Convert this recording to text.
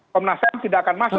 komnas ham tidak akan masuk